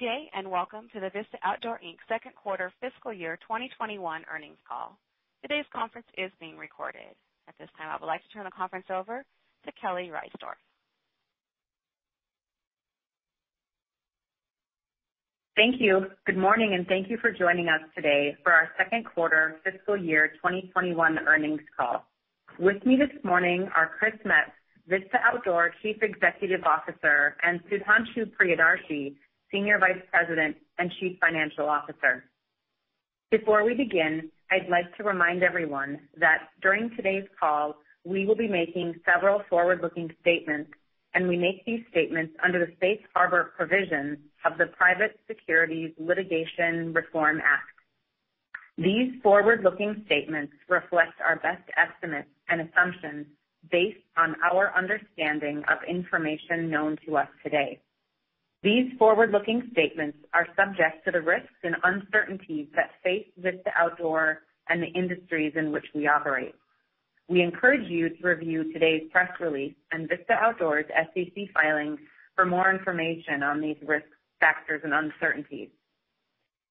Good day, and welcome to the Vista Outdoor Inc.'s Second Quarter Fiscal Year 2021 Earnings Call. Today's conference is being recorded. At this time, I would like to turn the conference over to Kelly Reisdorf. Thank you. Good morning, and thank you for joining us today for our second quarter fiscal year 2021 earnings call. With me this morning are Chris Metz, Vista Outdoor Chief Executive Officer, and Sudhanshu Priyadarshi, Senior Vice President and Chief Financial Officer. Before we begin, I'd like to remind everyone that during today's call, we will be making several forward-looking statements, and we make these statements under the safe harbor provisions of the Private Securities Litigation Reform Act of 1995. These forward-looking statements reflect our best estimates and assumptions based on our understanding of information known to us today. These forward-looking statements are subject to the risks and uncertainties that face Vista Outdoor and the industries in which we operate. We encourage you to review today's press release and Vista Outdoor's SEC filings for more information on these risk factors and uncertainties.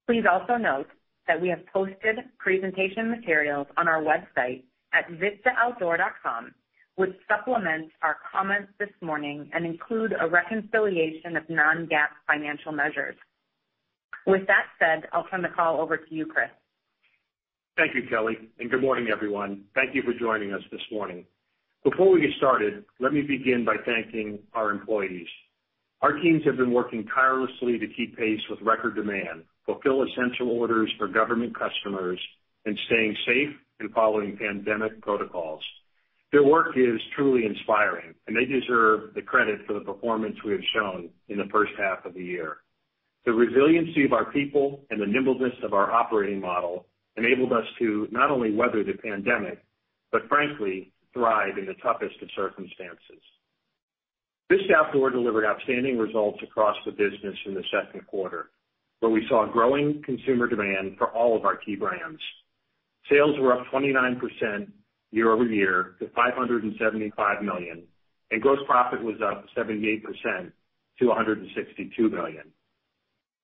Please also note that we have posted presentation materials on our website at vistaoutdoor.com, which supplement our comments this morning and include a reconciliation of non-GAAP financial measures. With that said, I'll turn the call over to you, Chris. Thank you, Kelly. Good morning, everyone. Thank you for joining us this morning. Before we get started, let me begin by thanking our employees. Our teams have been working tirelessly to keep pace with record demand, fulfill essential orders for government customers, and staying safe in following pandemic protocols. Their work is truly inspiring, and they deserve the credit for the performance we have shown in the first half of the year. The resiliency of our people and the nimbleness of our operating model enabled us to not only weather the pandemic, but frankly, thrive in the toughest of circumstances. Vista Outdoor delivered outstanding results across the business in the second quarter, where we saw growing consumer demand for all of our key brands. Sales were up 29% year-over-year to $575 million, and gross profit was up 78% to $162 million.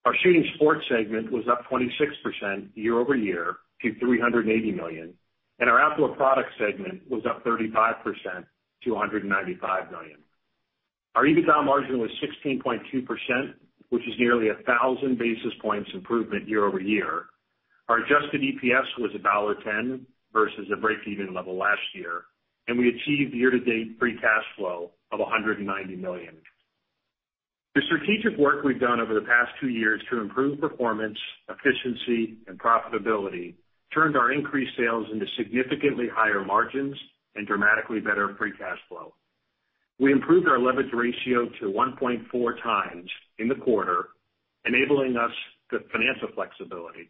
Our shooting sports segment was up 26% year-over-year to $380 million. Our outdoor products segment was up 35% to $195 million. Our EBITDA margin was 16.2%, which is nearly 1,000 basis points improvement year-over-year. Our adjusted EPS was $1.10 versus a breakeven level last year. We achieved year-to-date free cash flow of $190 million. The strategic work we've done over the past two years to improve performance, efficiency, and profitability turned our increased sales into significantly higher margins and dramatically better free cash flow. We improved our leverage ratio to 1.4x in the quarter, enabling us the financial flexibility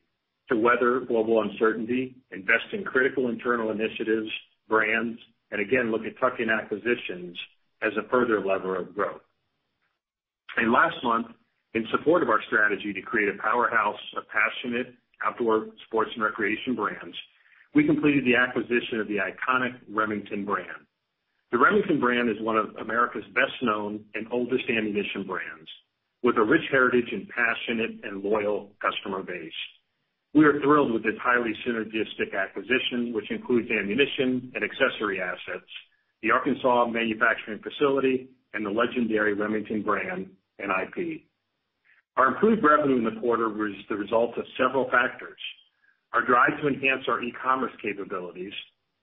to weather global uncertainty, invest in critical internal initiatives, brands, and again, look at tuck-in acquisitions as a further lever of growth. Last month, in support of our strategy to create a powerhouse of passionate outdoor sports and recreation brands, we completed the acquisition of the iconic Remington brand. The Remington brand is one of America's best-known and oldest ammunition brands, with a rich heritage and passionate and loyal customer base. We are thrilled with this highly synergistic acquisition, which includes ammunition and accessory assets, the Arkansas manufacturing facility, and the legendary Remington brand and IP. Our improved revenue in the quarter was the result of several factors: our drive to enhance our e-commerce capabilities,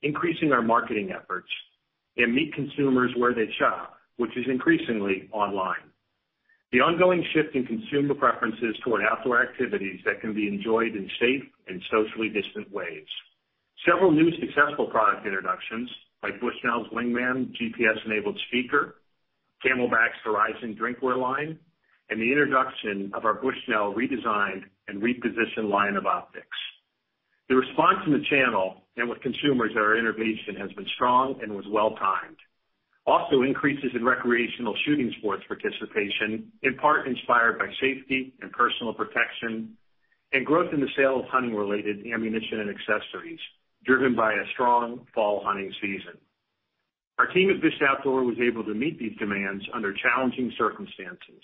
increasing our marketing efforts, and meet consumers where they shop, which is increasingly online. The ongoing shift in consumer preferences toward outdoor activities that can be enjoyed in safe and socially distant ways. Several new successful product introductions by Bushnell's Wingman GPS-enabled speaker, CamelBak's Horizon drinkware line, and the introduction of our Bushnell redesigned and repositioned line of optics. The response from the channel and with consumers to our innovation has been strong and was well-timed. Increases in recreational shooting sports participation, in part inspired by safety and personal protection, and growth in the sale of hunting-related ammunition and accessories driven by a strong fall hunting season. Our team at Vista Outdoor was able to meet these demands under challenging circumstances.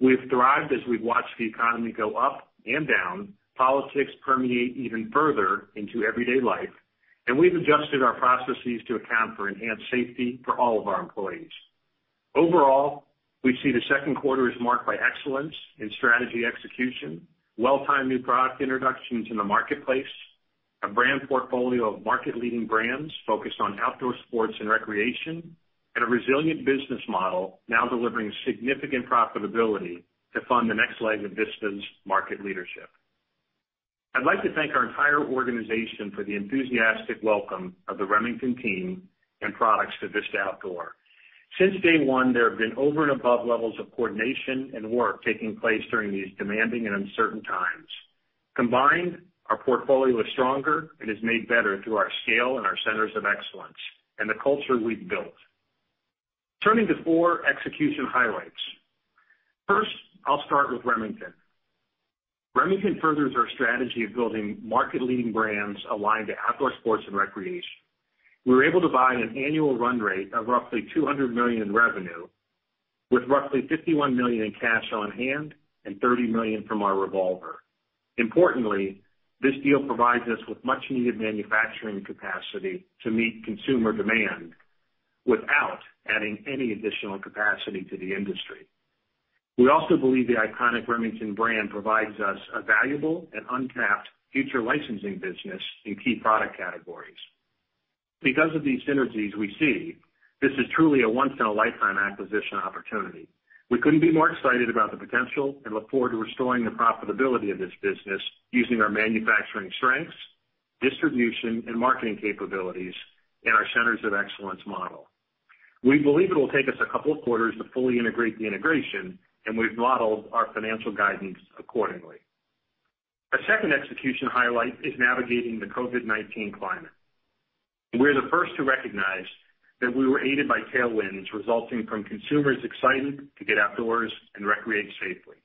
We've thrived as we've watched the economy go up and down, politics permeate even further into everyday life, and we've adjusted our processes to account for enhanced safety for all of our employees. Overall, we see the second quarter as marked by excellence in strategy execution, well-timed new product introductions in the marketplace, a brand portfolio of market-leading brands focused on outdoor sports and recreation, and a resilient business model now delivering significant profitability to fund the next leg of Vista's market leadership. I'd like to thank our entire organization for the enthusiastic welcome of the Remington team and products to Vista Outdoor. Since day one, there have been over and above levels of coordination and work taking place during these demanding and uncertain times. Combined, our portfolio is stronger and is made better through our scale and our centers of excellence and the culture we've built. Turning to four execution highlights. First, I'll start with Remington furthers our strategy of building market-leading brands aligned to outdoor sports and recreation. We were able to buy an annual run rate of roughly $200 million in revenue with roughly $51 million in cash on hand and $30 million from our revolver. Importantly, this deal provides us with much needed manufacturing capacity to meet consumer demand without adding any additional capacity to the industry. We also believe the iconic Remington brand provides us a valuable and untapped future licensing business in key product categories. Because of these synergies we see, this is truly a once in a lifetime acquisition opportunity. We couldn't be more excited about the potential and look forward to restoring the profitability of this business using our manufacturing strengths, distribution, and marketing capabilities in our centers of excellence model. We believe it'll take us a couple of quarters to fully, [inaudible] and we've modeled our financial guidance accordingly. Our second execution highlight is navigating the COVID-19 climate. We're the first to recognize that we were aided by tailwinds resulting from consumers excited to get outdoors and recreate safely.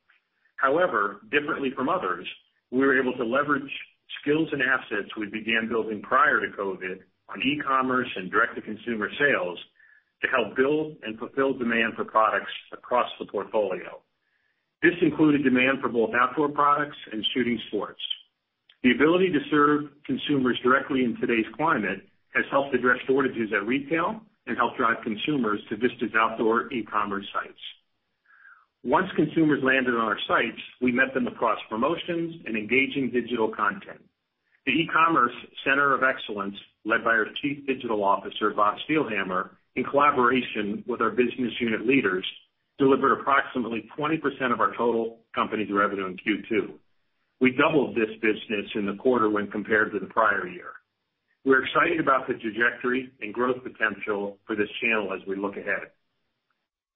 However, differently from others, we were able to leverage skills and assets we began building prior to COVID on e-commerce and direct-to-consumer sales to help build and fulfill demand for products across the portfolio. This included demand for both outdoor products and shooting sports. The ability to serve consumers directly in today's climate has helped address shortages at retail and helped drive consumers to Vista's Outdoor e-commerce sites. Once consumers landed on our sites, we met them across promotions and engaging digital content. The e-commerce center of excellence, led by our Chief Digital Officer, Bob Steelhammer, in collaboration with our business unit leaders, delivered approximately 20% of our total company's revenue in Q2. We doubled this business in the quarter when compared to the prior year. We're excited about the trajectory and growth potential for this channel as we look ahead.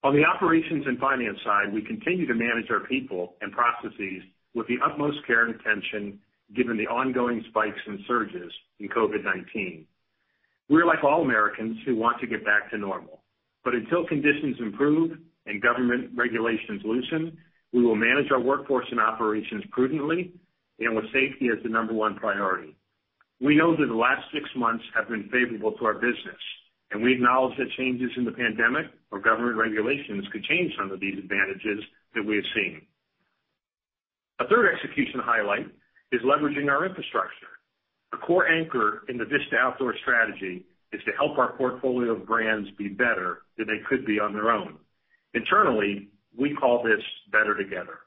On the operations and finance side, we continue to manage our people and processes with the utmost care and attention, given the ongoing spikes and surges in COVID-19. We're like all Americans who want to get back to normal, but until conditions improve and government regulations loosen, we will manage our workforce and operations prudently and with safety as the number one priority. We know that the last six months have been favorable to our business, and we acknowledge that changes in the pandemic or government regulations could change some of these advantages that we have seen. A third execution highlight is leveraging our infrastructure. A core anchor in the Vista Outdoor strategy is to help our portfolio of brands be better than they could be on their own. Internally, we call this better together.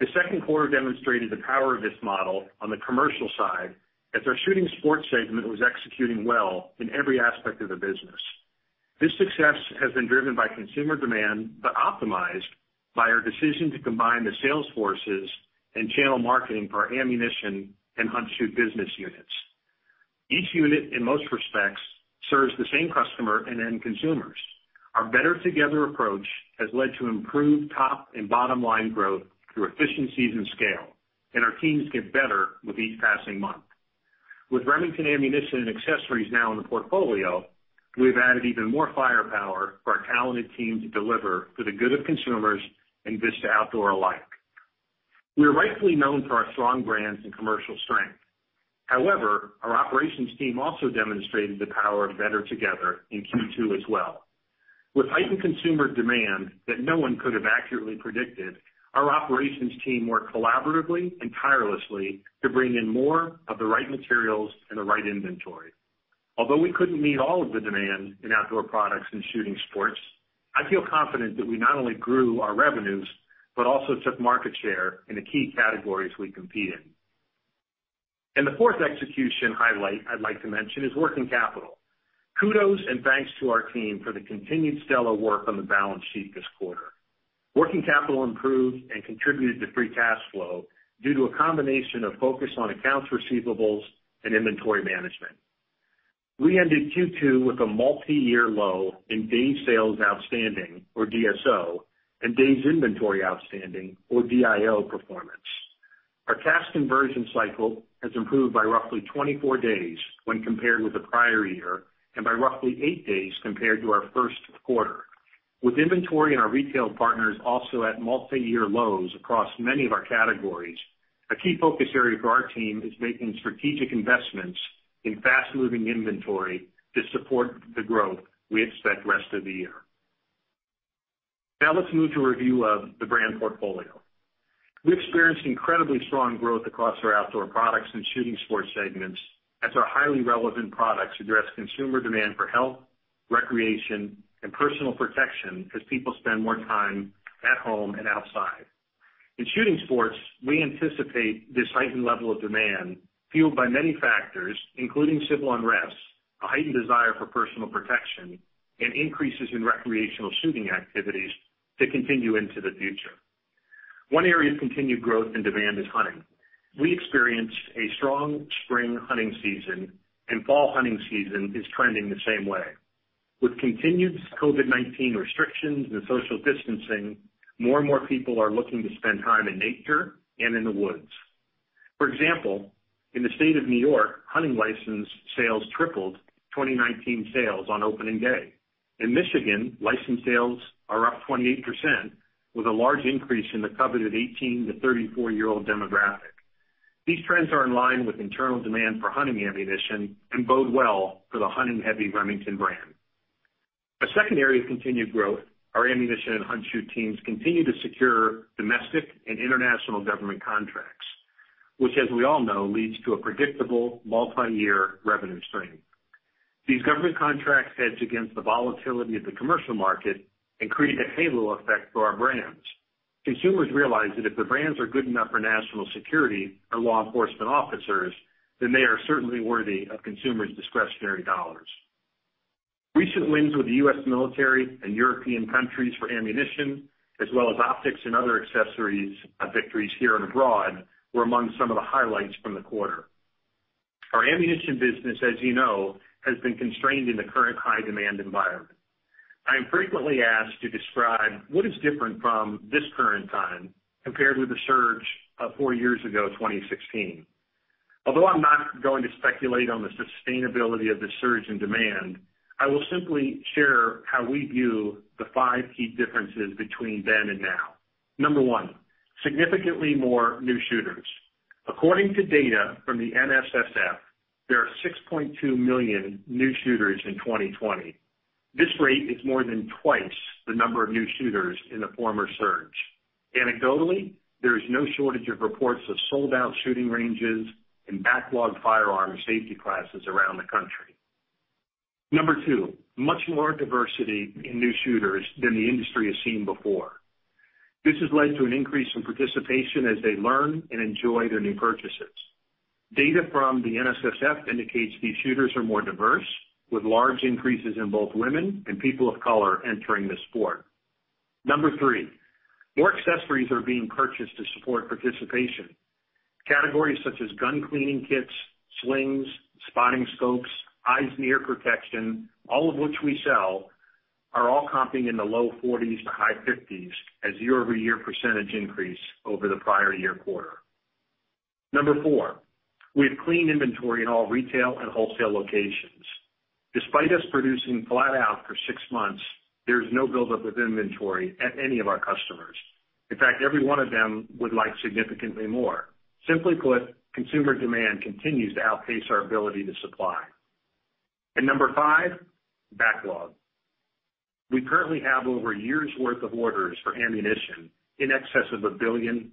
The second quarter demonstrated the power of this model on the commercial side, as our shooting sports segment was executing well in every aspect of the business. Optimized by our decision to combine the sales forces and channel marketing for our ammunition and Hunt/Shoot business units. Each unit, in most respects, serves the same customer and end consumers. Our better together approach has led to improved top and bottom-line growth through efficiencies and scale. Our teams get better with each passing month. With Remington Ammunition and Accessories now in the portfolio, we've added even more firepower for our talented team to deliver for the good of consumers and Vista Outdoor alike. We are rightfully known for our strong brands and commercial strength. Our operations team also demonstrated the power of better together in Q2 as well. With heightened consumer demand that no one could have accurately predicted, our operations team worked collaboratively and tirelessly to bring in more of the right materials and the right inventory. Although we couldn't meet all of the demand in outdoor products and shooting sports, I feel confident that we not only grew our revenues, but also took market share in the key categories we compete in. The fourth execution highlight I'd like to mention is working capital. Kudos and thanks to our team for the continued stellar work on the balance sheet this quarter. Working capital improved and contributed to free cash flow due to a combination of focus on accounts receivables and inventory management. We ended Q2 with a multi-year low in day sales outstanding, or DSO, and days inventory outstanding or DIO performance. Our cash conversion cycle has improved by roughly 24 days when compared with the prior year and by roughly eight days compared to our first quarter. With inventory and our retail partners also at multi-year lows across many of our categories, a key focus area for our team is making strategic investments in fast-moving inventory to support the growth we expect rest of the year. Let's move to a review of the brand portfolio. We experienced incredibly strong growth across our Outdoor Products and Shooting Sports segments as our highly relevant products address consumer demand for health, recreation, and personal protection as people spend more time at home and outside. In Shooting Sports, we anticipate this heightened level of demand fueled by many factors, including civil unrest, a heightened desire for personal protection, and increases in recreational shooting activities to continue into the future. One area of continued growth and demand is hunting. We experienced a strong spring hunting season, and fall hunting season is trending the same way. With continued COVID-19 restrictions and social distancing, more and more people are looking to spend time in nature and in the woods. For example, in the state of New York, hunting license sales tripled 2019 sales on opening day. In Michigan, license sales are up 28%, with a large increase in the coveted 18 to 34 year-old demographic. These trends are in line with internal demand for hunting ammunition and bode well for the hunting-heavy Remington brand. A second area of continued growth, our ammunition and Hunt/Shoot teams continue to secure domestic and international government contracts, which, as we all know, leads to a predictable multi-year revenue stream. These government contracts hedge against the volatility of the commercial market and create a halo effect for our brands. Consumers realize that if the brands are good enough for national security or law enforcement officers, then they are certainly worthy of consumers' discretionary dollars. Recent wins with the U.S. military and European countries for ammunition, as well as optics and other accessories victories here and abroad, were among some of the highlights from the quarter. Our ammunition business, as you know, has been constrained in the current high-demand environment. I am frequently asked to describe what is different from this current time compared with the surge of four years ago, 2016. Although I'm not going to speculate on the sustainability of the surge in demand, I will simply share how we view the five key differences between then and now. Number one, significantly more new shooters. According to data from the NSSF, there are 6.2 million new shooters in 2020. This rate is more than twice the number of new shooters in the former surge. Anecdotally, there is no shortage of reports of sold-out shooting ranges and backlogged firearm safety classes around the country. Number two, much more diversity in new shooters than the industry has seen before. This has led to an increase in participation as they learn and enjoy their new purchases. Data from the NSSF indicates these shooters are more diverse, with large increases in both women and people of color entering the sport. Number three, more accessories are being purchased to support participation. Categories such as gun cleaning kits, slings, spotting scopes, eyes and ear protection, all of which we sell, are all comping in the low 40s high 50s as year-over-year % increase over the prior year quarter. Number four, we have clean inventory in all retail and wholesale locations. Despite us producing flat out for six months, there's no buildup of inventory at any of our customers. In fact, every one of them would like significantly more. Simply put, consumer demand continues to outpace our ability to supply. Number five, backlog. We currently have over a year's worth of orders for ammunition in excess of $1 billion.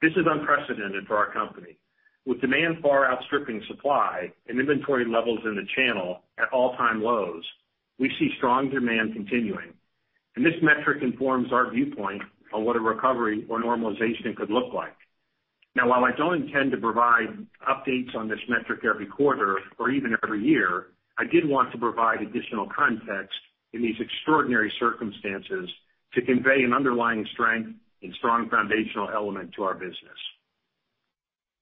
This is unprecedented for our company. With demand far outstripping supply and inventory levels in the channel at all-time lows, we see strong demand continuing, and this metric informs our viewpoint on what a recovery or normalization could look like. Now, while I don't intend to provide updates on this metric every quarter or even every year, I did want to provide additional context in these extraordinary circumstances to convey an underlying strength and strong foundational element to our business.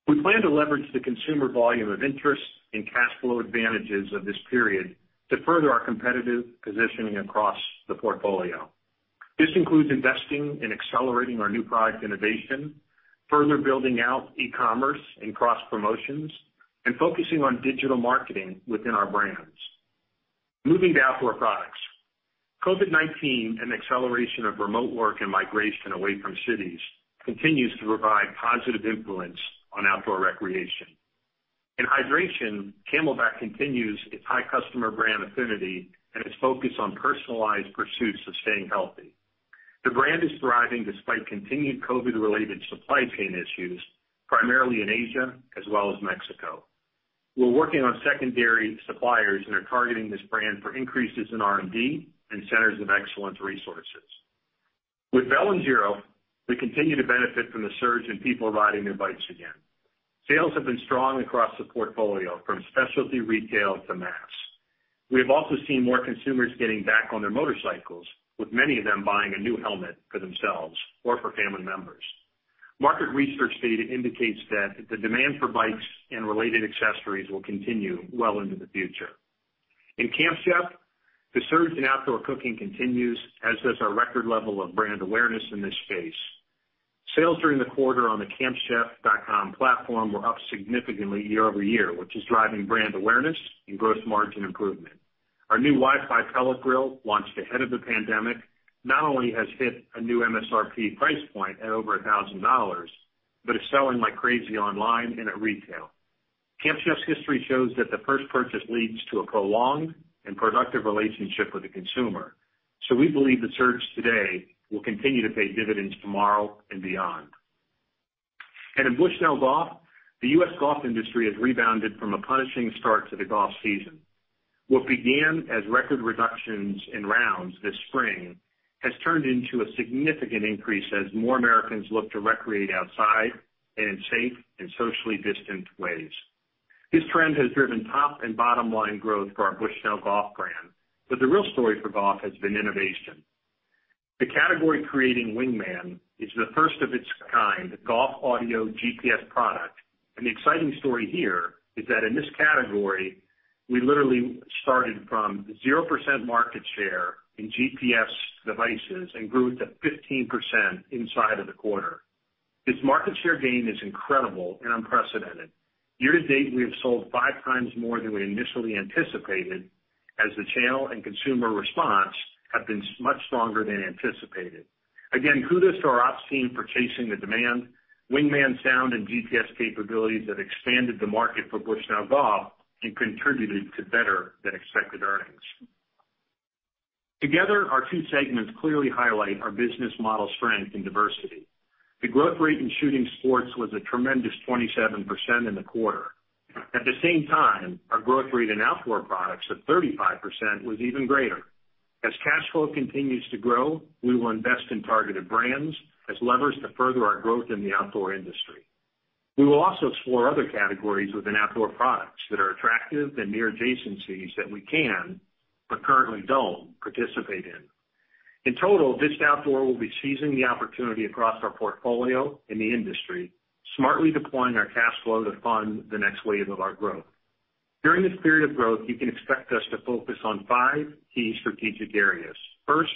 We plan to leverage the consumer volume of interest and cash flow advantages of this period to further our competitive positioning across the portfolio. This includes investing in accelerating our new product innovation, further building out e-commerce and cross-promotions, and focusing on digital marketing within our brands. Moving to outdoor products. COVID-19 and acceleration of remote work and migration away from cities continues to provide positive influence on outdoor recreation. In hydration, CamelBak continues its high customer brand affinity and its focus on personalized pursuits of staying healthy. The brand is thriving despite continued COVID related supply chain issues, primarily in Asia as well as Mexico. We're working on secondary suppliers and are targeting this brand for increases in R&D and centers of excellence resources. With Bell and Giro, we continue to benefit from the surge in people riding their bikes again. Sales have been strong across the portfolio, from specialty retail to mass. We have also seen more consumers getting back on their motorcycles, with many of them buying a new helmet for themselves or for family members. Market research data indicates that the demand for bikes and related accessories will continue well into the future. In Camp Chef, the surge in outdoor cooking continues, as does our record level of brand awareness in this space. Sales during the quarter on the campchef.com platform were up significantly year-over-year, which is driving brand awareness and gross margin improvement. Our new Wi-Fi pellet grill, launched ahead of the pandemic, not only has hit a new MSRP price point at over $1,000, but is selling like crazy online and at retail. Camp Chef's history shows that the first purchase leads to a prolonged and productive relationship with the consumer. We believe the surge today will continue to pay dividends tomorrow and beyond. In Bushnell Golf, the U.S. golf industry has rebounded from a punishing start to the golf season. What began as record reductions in rounds this spring has turned into a significant increase as more Americans look to recreate outside and in safe and socially distant ways. This trend has driven top and bottom-line growth for our Bushnell Golf brand, the real story for golf has been innovation. The category creating Wingman is the first of its kind golf audio GPS product. The exciting story here is that in this category, we literally started from 0% market share in GPS devices and grew it to 15% inside of the quarter. This market share gain is incredible and unprecedented. Year to date, we have sold five times more than we initially anticipated as the channel and consumer response have been much stronger than anticipated. Again, kudos to our ops team for chasing the demand, Wingman sound and GPS capabilities that expanded the market for Bushnell Golf and contributed to better than expected earnings. Together, our two segments clearly highlight our business model strength and diversity. The growth rate in shooting sports was a tremendous 27% in the quarter. At the same time, our growth rate in outdoor products of 35% was even greater. As cash flow continues to grow, we will invest in targeted brands as levers to further our growth in the outdoor industry. We will also explore other categories within outdoor products that are attractive and near adjacencies that we can, but currently don't, participate in. In total, Vista Outdoor will be seizing the opportunity across our portfolio in the industry, smartly deploying our cash flow to fund the next wave of our growth. During this period of growth, you can expect us to focus on five key strategic areas. First,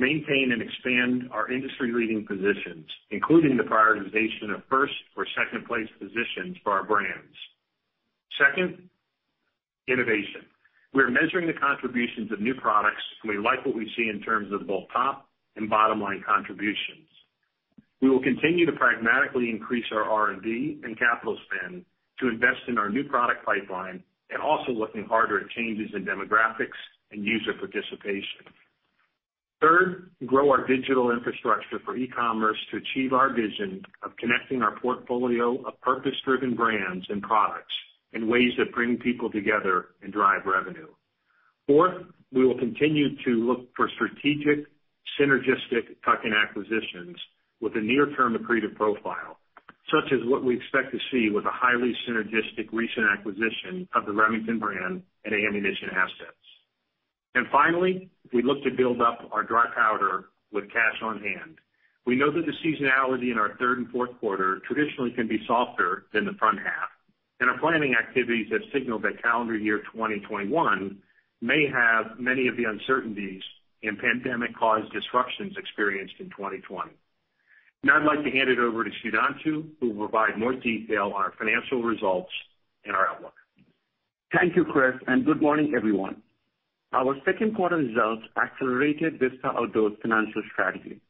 maintain and expand our industry leading positions, including the prioritization of first or second place positions for our brands. Second, innovation. We're measuring the contributions of new products, and we like what we see in terms of both top and bottom-line contributions. We will continue to pragmatically increase our R&D and capital spend to invest in our new product pipeline and also looking harder at changes in demographics and user participation. Third, grow our digital infrastructure for e-commerce to achieve our vision of connecting our portfolio of purpose-driven brands and products in ways that bring people together and drive revenue. Fourth, we will continue to look for strategic, synergistic tuck-in acquisitions with a near term accretive profile, such as what we expect to see with a highly synergistic recent acquisition of the Remington brand and ammunition assets. Finally, we look to build up our dry powder with cash on hand. We know that the seasonality in our third and fourth quarter traditionally can be softer than the front half, and are planning activities that signal that calendar year 2021 may have many of the uncertainties and pandemic caused disruptions experienced in 2020. I'd like to hand it over to Sudhanshu, who will provide more detail on our financial results and our outlook. Thank you, Chris, and good morning, everyone. Our second quarter results accelerated Vista Outdoor's financial strategy.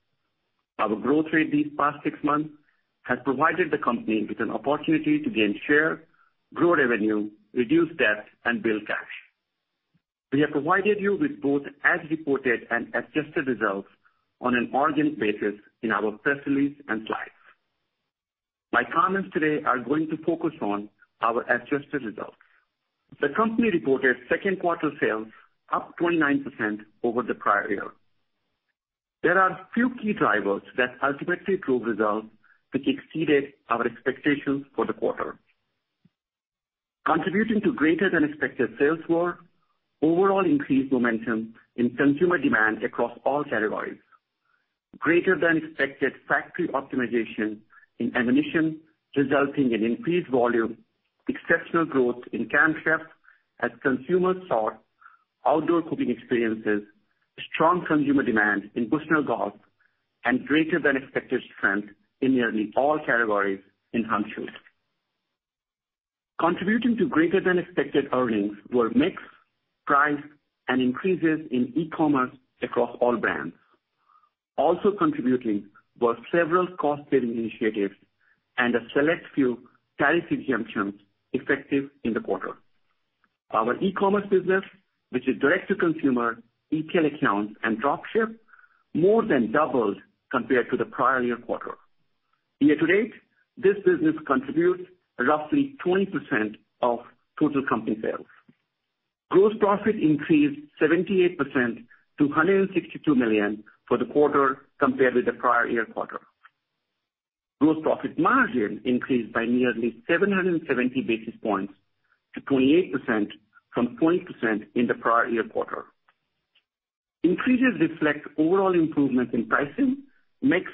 Our growth rate these past six months has provided the company with an opportunity to gain share, grow revenue, reduce debt, and build cash. We have provided you with both as reported and adjusted results on an organic basis in our press release and slides. My comments today are going to focus on our adjusted results. The company reported second quarter sales up 29% over the prior year. There are a few key drivers that ultimately drove results which exceeded our expectations for the quarter. Contributing to greater than expected sales were overall increased momentum in consumer demand across all categories, greater than expected factory optimization in ammunition, resulting in increased volume, exceptional growth in Camp Chef as consumers sought outdoor cooking experiences, strong consumer demand in Bushnell Golf, and greater than expected strength in nearly all categories in Hunt Sports. Contributing to greater than expected earnings were mix, price, and increases in e-commerce across all brands. Also contributing was several cost saving initiatives and a select few tariff assumptions effective in the quarter. Our e-commerce business, which is direct to consumer, e-tail accounts, and drop ship, more than doubled compared to the prior year quarter. Year to date, this business contributes roughly 20% of total company sales. Gross profit increased 78% to $162 million for the quarter compared with the prior year quarter. Gross profit margin increased by nearly 770 basis points to 28% from 20% in the prior year quarter. Increases reflect overall improvements in pricing, mix,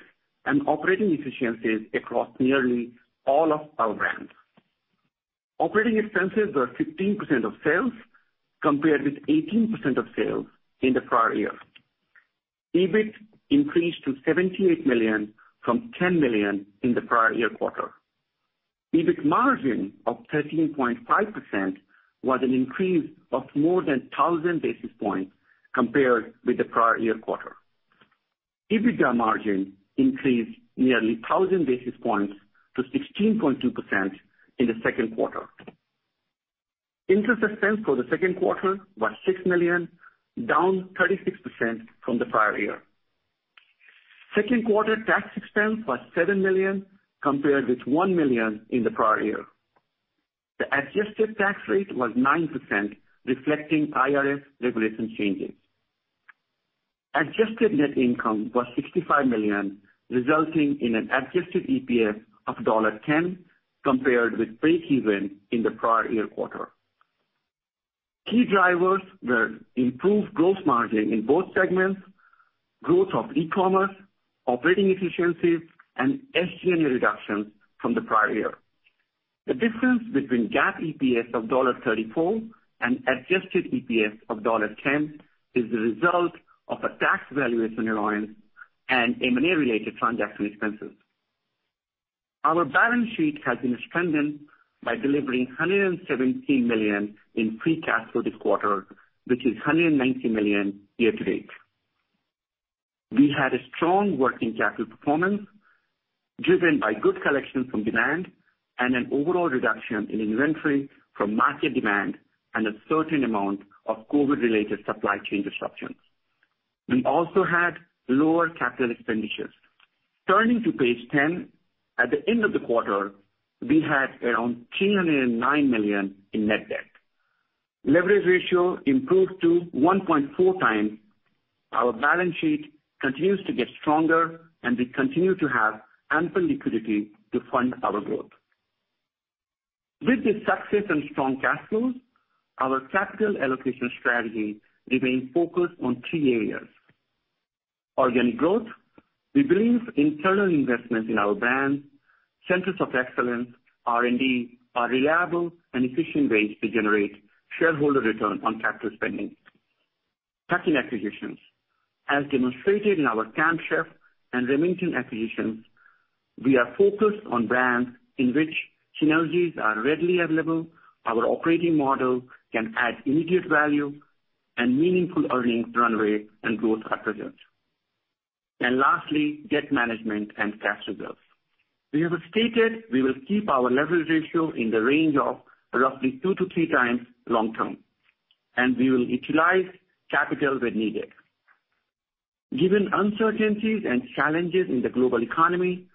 and operating efficiencies across nearly all of our brands. Operating expenses were 15% of sales compared with 18% of sales in the prior year. EBIT increased to $78 million from $10 million in the prior year quarter. EBIT margin of 13.5% was an increase of more than 1,000 basis points compared with the prior year quarter. EBITDA margin increased nearly 1,000 basis points to 16.2% in the second quarter. Interest expense for the second quarter was $6 million, down 36% from the prior year. Second quarter tax expense was $7 million compared with $1 million in the prior year. The adjusted tax rate was 9%, reflecting IRS regulation changes. Adjusted net income was $65 million, resulting in an adjusted EPS of $1.10 compared with breakeven in the prior year quarter. Key drivers were improved gross margin in both segments, growth of e-commerce, operating efficiencies, and SG&A reductions from the prior year. The difference between GAAP EPS of $1.34 and adjusted EPS of $1.10 is the result of a tax valuation allowance and M&A-related transaction expenses. Our balance sheet has been strengthened by delivering $117 million in free cash flow this quarter, which is $190 million year-to-date. We had a strong working capital performance driven by good collections from demand and an overall reduction in inventory from market demand and a certain amount of COVID-related supply chain disruptions. We also had lower capital expenditures. Turning to page 10, at the end of the quarter, we had around $309 million in net debt. Leverage ratio improved to 1.4x. Our balance sheet continues to get stronger. We continue to have ample liquidity to fund our growth. With this success and strong cash flows, our capital allocation strategy remains focused on three areas. Organic growth. We believe internal investments in our brands, centers of excellence, R&D, are reliable and efficient ways to generate shareholder return on capital spending. Tuck-in acquisitions. As demonstrated in our Camp Chef and Remington acquisitions, we are focused on brands in which synergies are readily available, our operating model can add immediate value, and meaningful earnings runway and growth are present. Lastly, debt management and cash reserves. We have stated we will keep our leverage ratio in the range of roughly two to three times long-term, and we will utilize capital when needed. Given uncertainties and challenges in the global economy,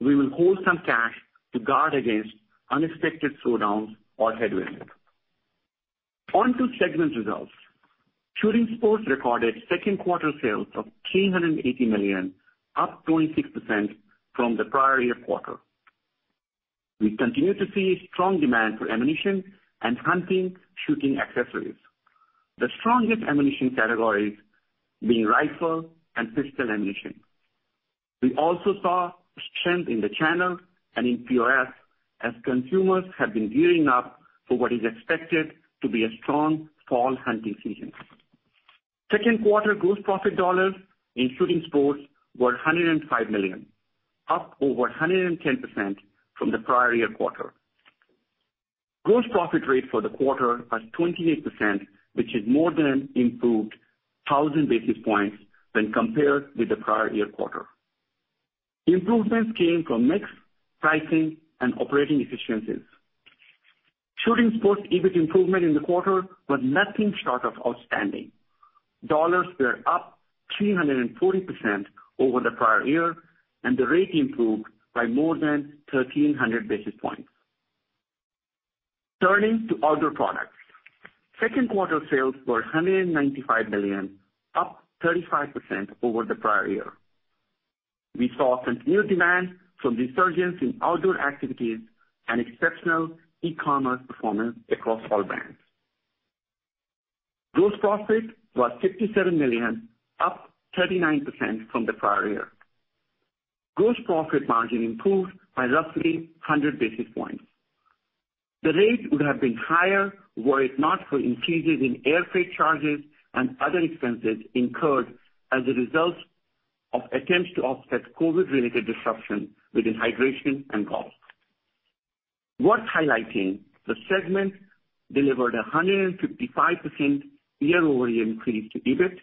we will hold some cash to guard against unexpected slowdowns or headwinds. On to segment results. Shooting sports recorded second quarter sales of $380 million, up 26% from the prior year quarter. We continue to see strong demand for ammunition and hunting, shooting accessories. The strongest ammunition categories being rifle and pistol ammunition. We also saw strength in the channel and in POS as consumers have been gearing up for what is expected to be a strong fall hunting season. Second quarter gross profit dollars in Shooting sports were $105 million, up over 110% from the prior year quarter. Gross profit rate for the quarter was 28%, which is more than improved 1,000 basis points when compared with the prior year quarter. Improvements came from mix, pricing, and operating efficiencies. Shooting sports EBIT improvement in the quarter was nothing short of outstanding. Dollars were up 340% over the prior year, and the rate improved by more than 1,300 basis points. Turning to outdoor products. Second quarter sales were $195 million, up 35% over the prior year. We saw continued demand from the resurgence in outdoor activities and exceptional e-commerce performance across all brands. Gross profit was $57 million, up 39% from the prior year. Gross profit margin improved by roughly 100 basis points. The rate would have been higher were it not for increases in airfreight charges and other expenses incurred as a result of attempts to offset COVID-related disruption within hydration and golf. Worth highlighting, the segment delivered 155% year-over-year increase to EBIT,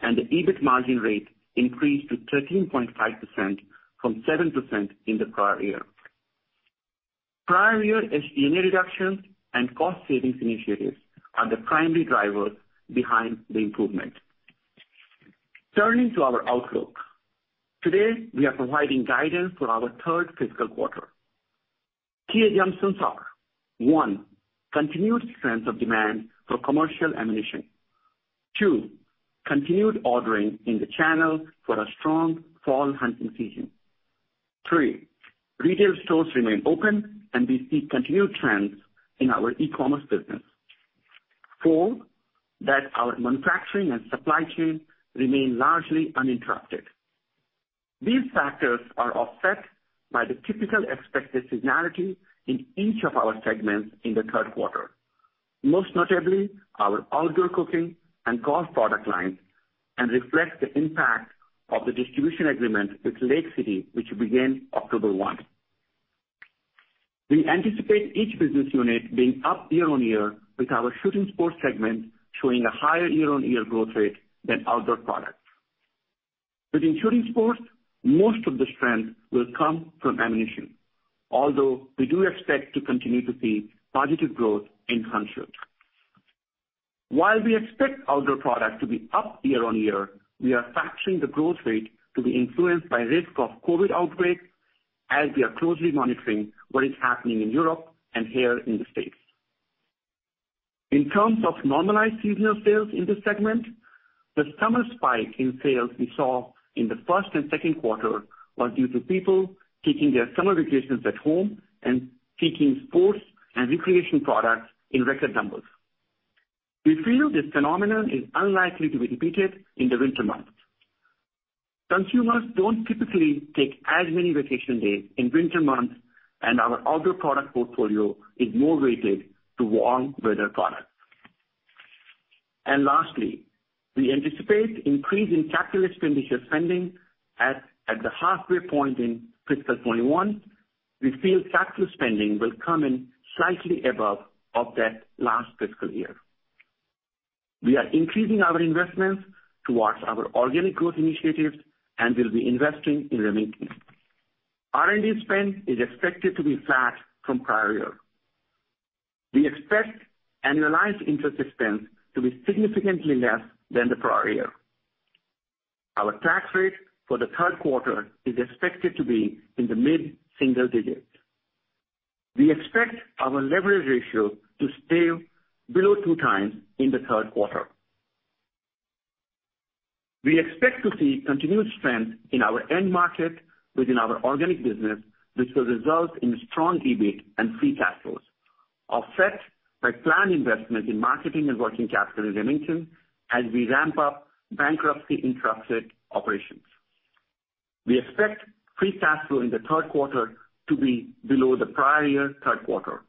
and the EBIT margin rate increased to 13.5% from 7% in the prior year. Prior year SG&A reductions and cost savings initiatives are the primary drivers behind the improvement. Turning to our outlook. Today, we are providing guidance for our third fiscal quarter. Key assumptions are, one, continued strength of demand for commercial ammunition. Two, continued ordering in the channel for a strong fall hunting season. Three, retail stores remain open, and we see continued trends in our e-commerce business. Four, that our manufacturing and supply chain remain largely uninterrupted. These factors are offset by the typical expected seasonality in each of our segments in the third quarter, most notably our outdoor cooking and golf product lines, and reflects the impact of the distribution agreement with Lake City, which began October one. We anticipate each business unit being up year-on-year, with our Shooting Sports segment showing a higher year-on-year growth rate than Outdoor Products. Within Shooting Sports, most of the strength will come from ammunition. Although, we do expect to continue to see positive growth in Hunt/Shoot. While we expect Outdoor Product to be up year-on-year, we are factoring the growth rate to be influenced by risk of COVID-19 outbreaks as we are closely monitoring what is happening in Europe and here in the U.S. In terms of normalized seasonal sales in this segment. The summer spike in sales we saw in the first and second quarter was due to people taking their summer vacations at home and seeking sports and recreation products in record numbers. We feel this phenomenon is unlikely to be repeated in the winter months. Consumers don't typically take as many vacation days in winter months, our Outdoor Product portfolio is more weighted to warm weather products. Lastly, we anticipate increasing capital expenditure spending at the halfway point in fiscal 2021. We feel capital spending will come in slightly above of that last fiscal year. We are increasing our investments towards our organic growth initiatives and will be investing in Remington. R&D spend is expected to be flat from prior year. We expect annualized interest expense to be significantly less than the prior year. Our tax rate for the third quarter is expected to be in the mid-single digits. We expect our leverage ratio to stay below 2x in the third quarter. We expect to see continued strength in our end market within our organic business, which will result in strong EBIT and free cash flows, offset by planned investment in marketing and working capital in Remington as we ramp up bankruptcy-interrupted operations. We expect free cash flow in the third quarter to be below the prior year third quarter.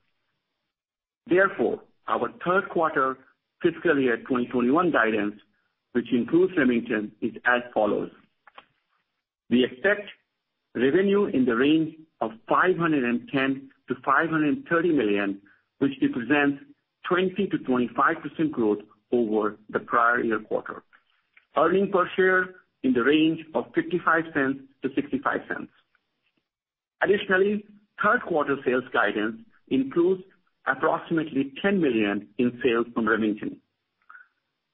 Our third quarter fiscal year 2021 guidance, which includes Remington, is as follows. We expect revenue in the range of $510 million to $530 million, which represents 20%-25% growth over the prior year quarter. Earning per share in the range of $0.55-$0.65. Additionally, third quarter sales guidance includes approximately $10 million in sales from Remington.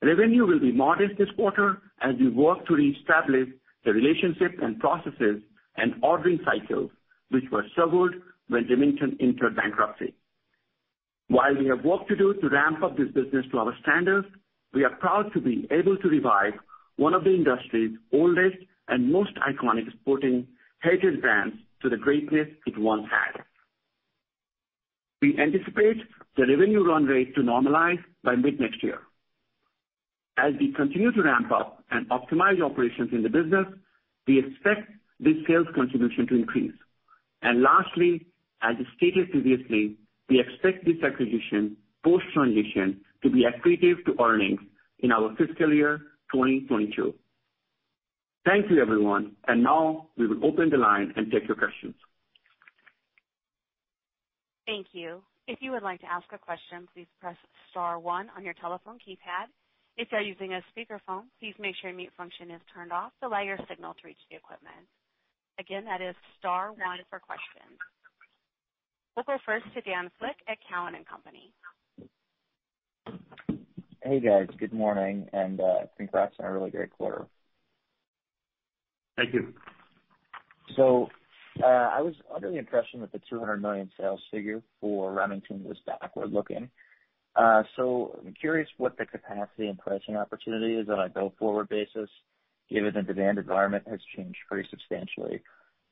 Revenue will be modest this quarter as we work to reestablish the relationship and processes and ordering cycles, which were severed when Remington entered bankruptcy. While we have work to do to ramp up this business to our standards, we are proud to be able to revive one of the industry's oldest and most iconic sporting heritage brands to the greatness it once had. We anticipate the revenue run rate to normalize by mid-next year. As we continue to ramp up and optimize operations in the business, we expect this sales contribution to increase. Lastly, as stated previously, we expect this acquisition post-transition, to be accretive to earnings in our fiscal year 2022. Thank you, everyone. Now we will open the line and take your questions. Thank you. If you would like to ask a question, please press star one on your telephone keypad. If you are using a speakerphone, please make sure mute function is turned off to allow your signal to reach the equipment. Again, that is star one for questions. We'll go first to Dan Flick at Cowen and Company. Hey, guys. Good morning, and congrats on a really great quarter. Thank you. I was under the impression that the $200 million sales figure for Remington was backward-looking. I'm curious what the capacity and pricing opportunity is on a go-forward basis, given the demand environment has changed pretty substantially.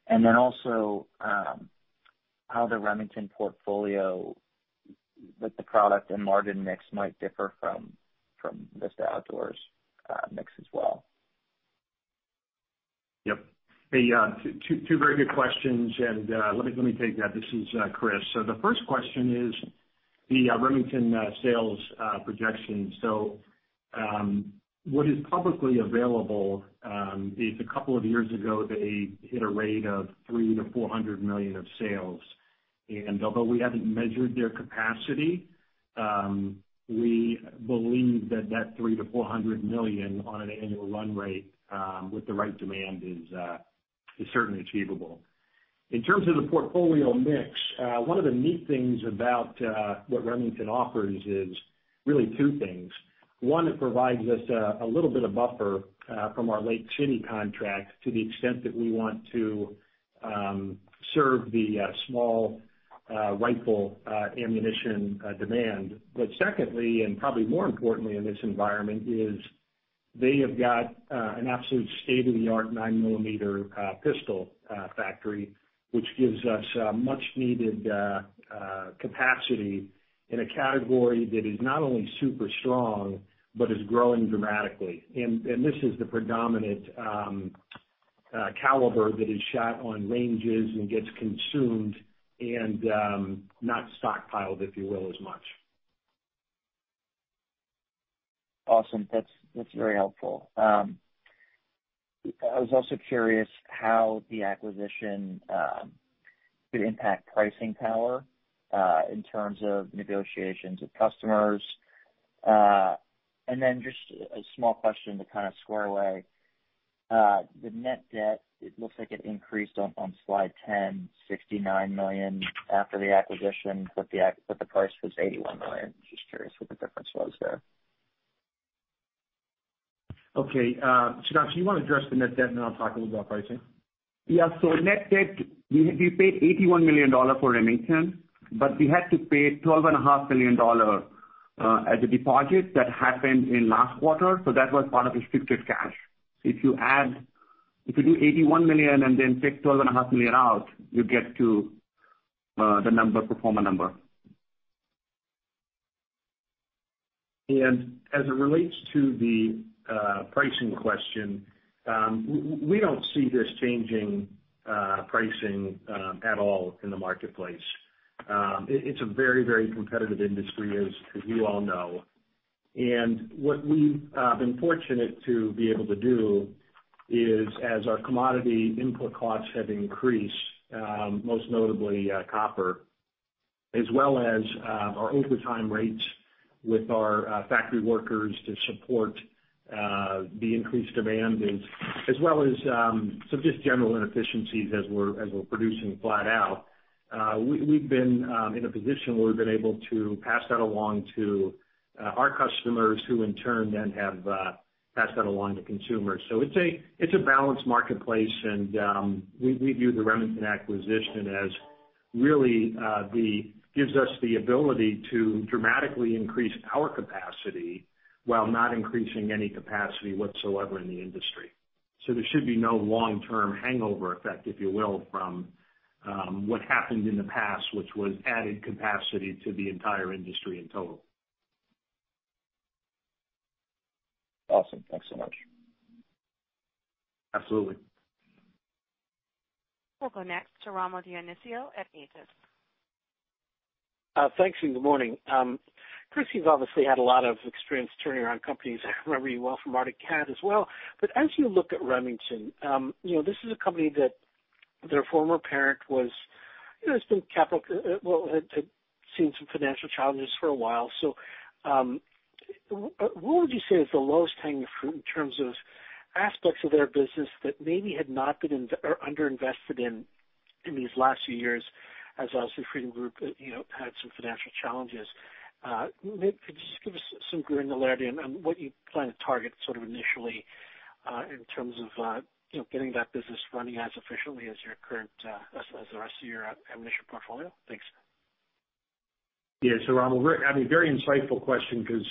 Also, how the Remington portfolio with the product and margin mix might differ from Vista Outdoor's mix as well. Yep. Hey, two very good questions. Let me take that. This is Chris. The first question is the Remington sales projection. What is publicly available is a couple of years ago, they hit a rate of $300 million to $400 million of sales. Although we haven't measured their capacity, we believe that that $300 million to $400 million on an annual run rate, with the right demand is certainly achievable. In terms of the portfolio mix, one of the neat things about what Remington offers is really two things. One, it provides us a little bit of buffer from our Lake City contract to the extent that we want to serve the small rifle ammunition demand. Secondly, and probably more importantly in this environment, is they have got an absolute state of the art nine millimeter pistol factory, which gives us much needed capacity in a category that is not only super strong but is growing dramatically. This is the predominant caliber that is shot on ranges and gets consumed and not stockpiled, if you will, as much. Awesome. That's very helpful. I was also curious how the acquisition could impact pricing power, in terms of negotiations with customers. Then just a small question to kind of square away. The net debt, it looks like it increased on slide 10, $69 million after the acquisition, but the price was $81 million. Just curious what the difference was there. Okay. Sudhanshu, do you want to address the net debt, and then I'll talk a little about pricing? Yeah. Net debt, we paid $81 million for Remington, but we had to pay $12.5 million as a deposit that happened in last quarter, so that was part of restricted cash. If you do $81 million and then take $12.5 million out, you get to the pro forma number. As it relates to the pricing question, we don't see this changing pricing at all in the marketplace. It's a very competitive industry, as you all know. What we've been fortunate to be able to do is as our commodity input costs have increased, most notably copper, as well as our overtime rates with our factory workers to support the increased demand, as well as some just general inefficiencies as we're producing flat out. We've been in a position where we've been able to pass that along to our customers who in turn then have passed that along to consumers. It's a balanced marketplace, and we view the Remington acquisition as really gives us the ability to dramatically increase our capacity while not increasing any capacity whatsoever in the industry. There should be no long-term hangover effect, if you will, from what happened in the past, which was adding capacity to the entire industry in total. Awesome. Thanks so much. Absolutely. We'll go next to Rommel Dionisio at Aegis. Thanks. Good morning. Chris, you've obviously had a lot of experience turning around companies. I remember you well from Arctic Cat as well. As you look at Remington, this is a company that their former parent had seen some financial challenges for a while. What would you say is the lowest hanging fruit in terms of aspects of their business that maybe had not been, or under-invested in these last few years as also Freedom Group had some financial challenges? Could you just give us some granularity on what you plan to target sort of initially, in terms of getting that business running as efficiently as the rest of your ammunition portfolio? Thanks. Yeah. Rommel, very insightful question because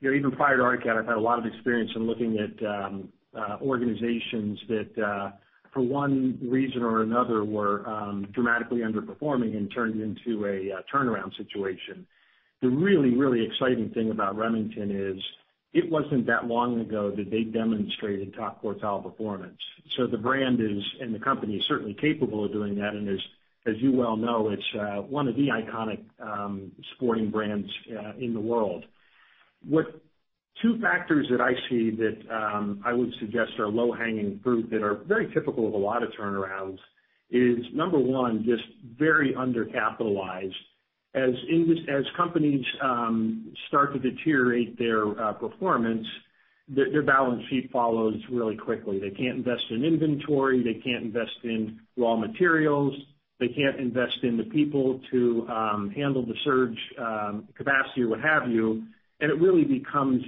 even prior to Arctic Cat, I've had a lot of experience in looking at organizations that, for one reason or another, were dramatically underperforming and turned into a turnaround situation. The really exciting thing about Remington is it wasn't that long ago that they demonstrated top quartile performance. The brand is, and the company is certainly capable of doing that, and as you well know, it's one of the iconic sporting brands in the world. Two factors that I see that I would suggest are low-hanging fruit that are very typical of a lot of turnarounds is, number one, just very under-capitalized. As companies start to deteriorate their performance, their balance sheet follows really quickly. They can't invest in inventory. They can't invest in raw materials. They can't invest in the people to handle the surge capacity or what have you. It really becomes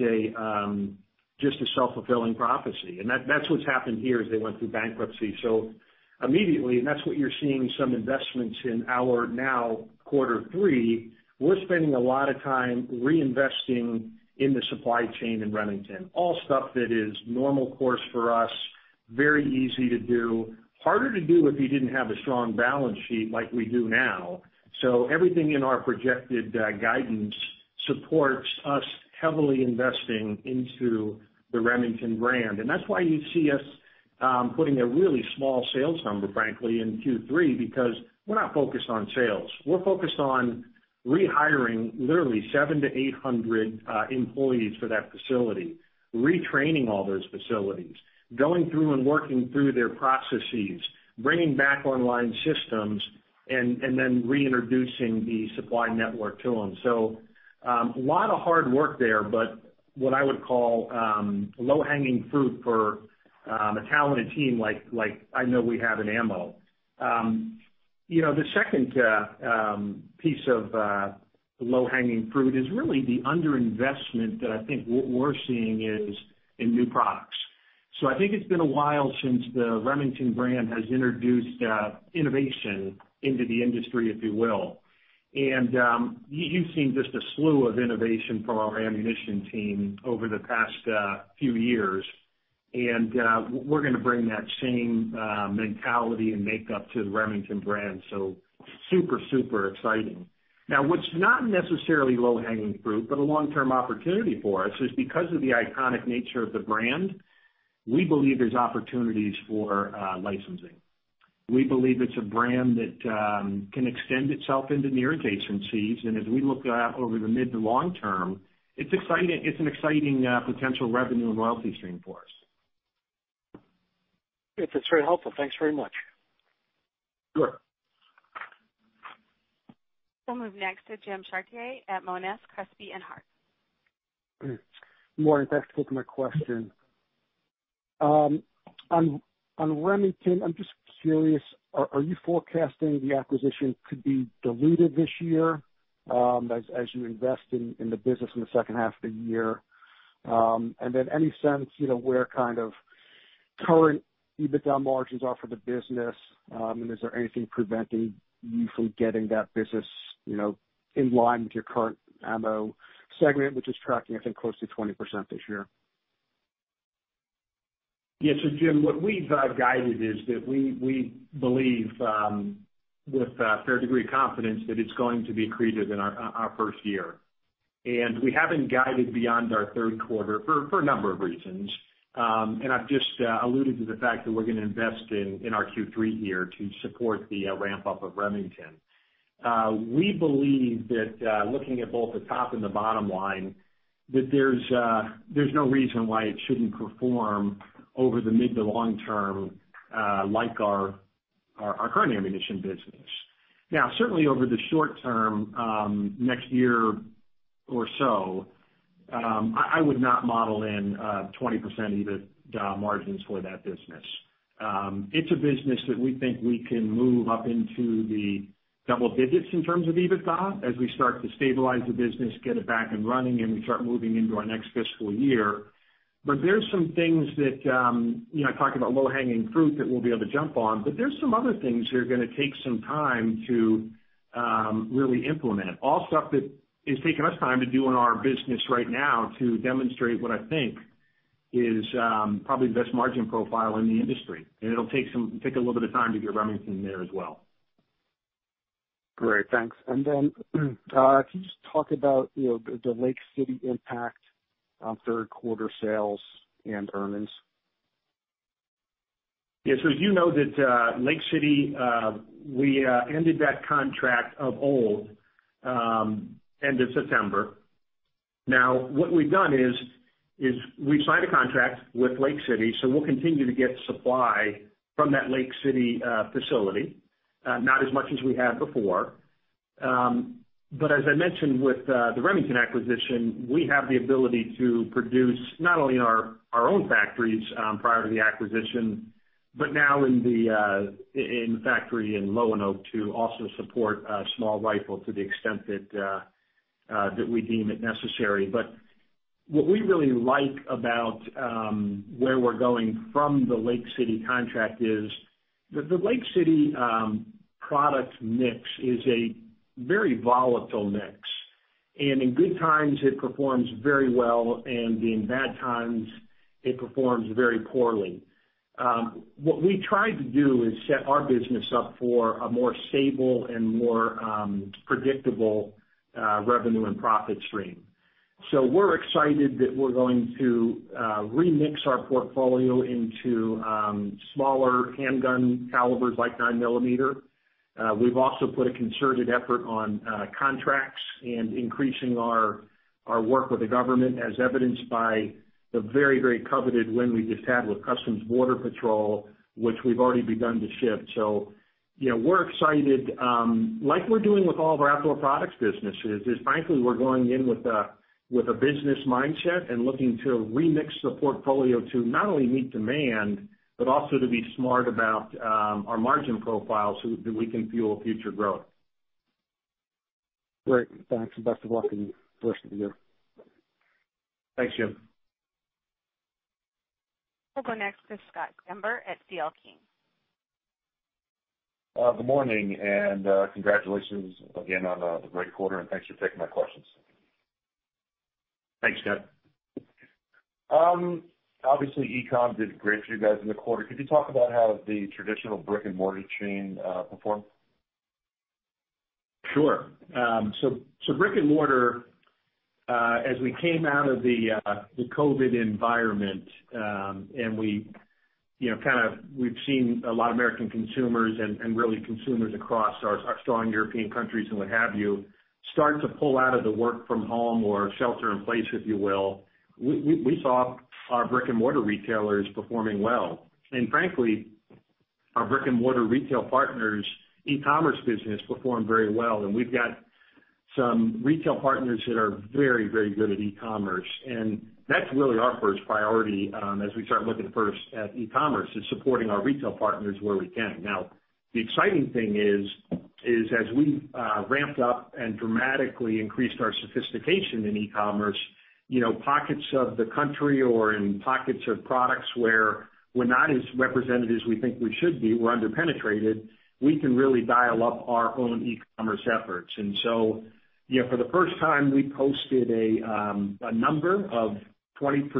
just a self-fulfilling prophecy. That's what's happened here as they went through bankruptcy. Immediately, that's what you're seeing some investments in our now quarter three, we're spending a lot of time reinvesting in the supply chain in Remington. All stuff that is normal course for us, very easy to do, harder to do if you didn't have a strong balance sheet like we do now. Everything in our projected guidance supports us heavily investing into the Remington brand. That's why you see us putting a really small sales number, frankly, in Q3, because we're not focused on sales. We're focused on rehiring literally 700 to 800 employees for that facility, retraining all those facilities, going through and working through their processes, bringing back online systems, and then reintroducing the supply network to them. A lot of hard work there, but what I would call low-hanging fruit for a talented team like I know we have in ammo. The second piece of low-hanging fruit is really the under-investment that I think what we're seeing is in new products. I think it's been a while since the Remington brand has introduced innovation into the industry, if you will. You've seen just a slew of innovation from our ammunition team over the past few years. We're going to bring that same mentality and makeup to the Remington brand. Super exciting. Now, what's not necessarily low-hanging fruit, but a long-term opportunity for us is because of the iconic nature of the brand, we believe there's opportunities for licensing. We believe it's a brand that can extend itself into new adjacencies, as we look out over the mid to long term, it's an exciting potential revenue and loyalty stream for us. It's very helpful. Thanks very much. Sure. We'll move next to Jim Chartier at Monness, Crespi and Hardt. Morning. Thanks for taking my question. On Remington, I'm just curious, are you forecasting the acquisition could be dilutive this year as you invest in the business in the second half of the year? Then any sense where kind of current EBITDA margins are for the business? Is there anything preventing you from getting that business in line with your current ammo segment, which is tracking, I think, close to 20% this year? Yeah. Jim, what we've guided is that we believe, with a fair degree of confidence, that it's going to be accretive in our first year. We haven't guided beyond our third quarter for a number of reasons. I've just alluded to the fact that we're going to invest in our Q3 year to support the ramp-up of Remington. We believe that, looking at both the top and the bottom line, that there's no reason why it shouldn't perform over the mid to long term like our current ammunition business. Now, certainly over the short term, next year or so, I would not model in 20% EBITDA margins for that business. It's a business that we think we can move up into the double digits in terms of EBITDA as we start to stabilize the business, get it back and running, and we start moving into our next fiscal year. I talk about low-hanging fruit that we'll be able to jump on, but there's some other things that are going to take some time to really implement. All stuff that is taking us time to do in our business right now to demonstrate what I think is probably the best margin profile in the industry. It'll take a little bit of time to get Remington there as well. Great. Thanks. Then, can you just talk about the Lake City impact on third quarter sales and earnings? Yeah. You know that Lake City, we ended that contract of all end of September. Now, what we've done is we've signed a contract with Lake City, so we'll continue to get supply from that Lake City facility. Not as much as we have before. As I mentioned with the Remington acquisition, we have the ability to produce not only in our own factories prior to the acquisition, but now in the factory in Lonoke to also support small rifle to the extent that we deem it necessary. What we really like about where we're going from the Lake City contract is the Lake City product mix is a very volatile mix. In good times, it performs very well, and in bad times, it performs very poorly. What we tried to do is set our business up for a more stable and more predictable revenue and profit stream. We're excited that we're going to remix our portfolio into smaller handgun calibers like nine millimeter. We've also put a concerted effort on contracts and increasing our work with the government, as evidenced by the very, very coveted win we just had with U.S. Customs and Border Protection, which we've already begun to ship. We're excited. Like we're doing with all of our outdoor products businesses, is frankly, we're going in with a business mindset and looking to remix the portfolio to not only meet demand, but also to be smart about our margin profile so that we can fuel future growth. Great. Thanks, and best of luck in the rest of the year. Thanks, Jim. We'll go next to Scott Stember at C.L. King. Good morning. Congratulations again on a great quarter, and thanks for taking my questions. Thanks, Scott. Obviously, e-com did great for you guys in the quarter. Could you talk about how the traditional brick-and-mortar chain performed? Sure. Brick-and-mortar, as we came out of the COVID-19 environment, and we've seen a lot of American consumers and really consumers across our strong European countries and what have you, start to pull out of the work from home or shelter in place, if you will. We saw our brick-and-mortar retailers performing well. Frankly, our brick-and-mortar retail partners' e-commerce business performed very well. We've got some retail partners that are very, very good at e-commerce, and that's really our first priority as we start looking first at e-commerce, is supporting our retail partners where we can. The exciting thing is, as we ramped up and dramatically increased our sophistication in e-commerce, pockets of the country or in pockets of products where we're not as represented as we think we should be, we're under-penetrated, we can really dial up our own e-commerce efforts. For the first time, we posted a number of 20%,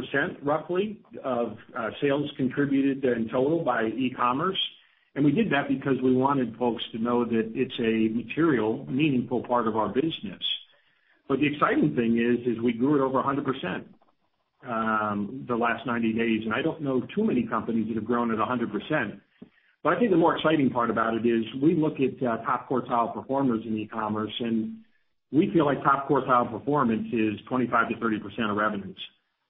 roughly, of sales contributed in total by e-commerce. We did that because we wanted folks to know that it's a material, meaningful part of our business. The exciting thing is, we grew it over 100% the last 90 days. I don't know too many companies that have grown at 100%. I think the more exciting part about it is we look at top quartile performers in e-commerce, and we feel like top quartile performance is 25%-30% of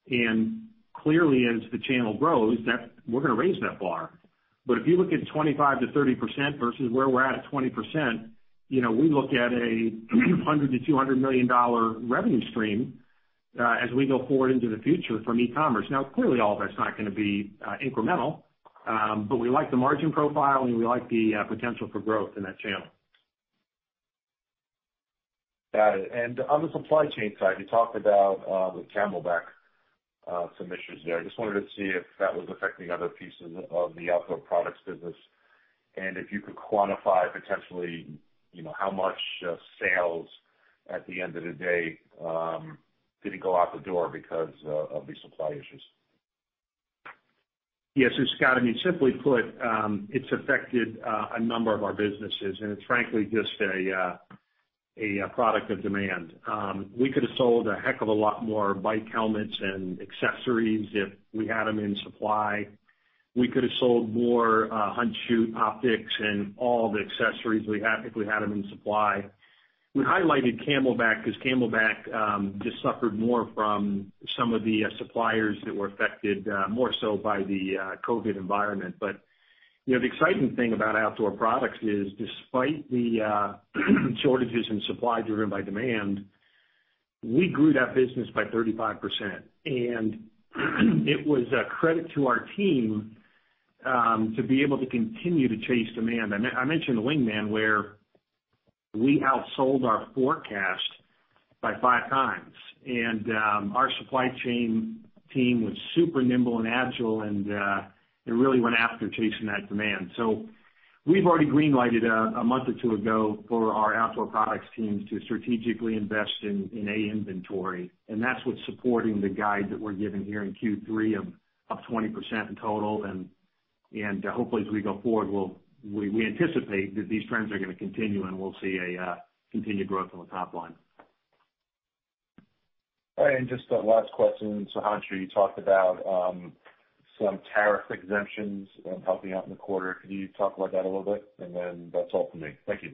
revenues. Clearly, as the channel grows, we're going to raise that bar. If you look at 25%-30% versus where we're at at 20%, we look at a $100 million to $200 million revenue stream as we go forward into the future from e-commerce. Clearly, all that's not going to be incremental. We like the margin profile, and we like the potential for growth in that channel. Got it. On the supply chain side, you talked about with CamelBak, some issues there. I just wanted to see if that was affecting other pieces of the Outdoor Products business, and if you could quantify potentially, how much sales at the end of the day didn't go out the door because of these supply issues. Yes. Scott, simply put, it's affected a number of our businesses, and it's frankly just a product of demand. We could have sold a heck of a lot more bike helmets and accessories if we had them in supply. We could have sold more Hunt/Shoot optics and all the accessories if we had them in supply. We highlighted CamelBak because CamelBak just suffered more from some of the suppliers that were affected more so by the COVID environment. The exciting thing about Outdoor Products is despite the shortages in supply driven by demand, we grew that business by 35%. It was a credit to our team, to be able to continue to chase demand. I mentioned the Wingman, where we outsold our forecast by five times. Our supply chain team was super nimble and agile, and they really went after chasing that demand. We've already green lighted a month or two ago for our Outdoor Products teams to strategically invest in A inventory, and that's what's supporting the guide that we're giving here in Q3 of 20% in total. Hopefully, as we go forward, we anticipate that these trends are going to continue, and we'll see a continued growth on the top line. All right. Just a last question. Sudhanshu, you talked about some tariff exemptions helping out in the quarter. Can you talk about that a little bit? That's all for me. Thank you.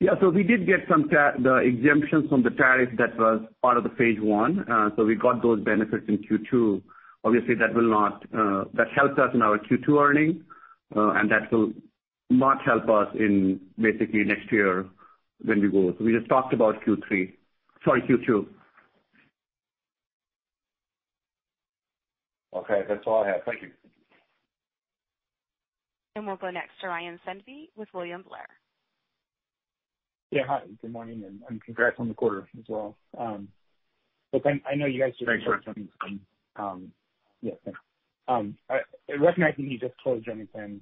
Yeah. We did get some exemptions from the tariff that was part of the phase I. We got those benefits in Q2. Obviously, that helped us in our Q2 earnings, and that will not help us in basically next year when we go. We just talked about Q3, sorry, Q2. Okay. That's all I have. Thank you. We'll go next to Ryan Sundby with William Blair. Yeah. Hi, good morning, and congrats on the quarter as well. Thanks, Ryan. Yeah, thanks. Recognizing you just closed Remington,